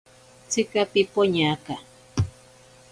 Tsika pipoñaka.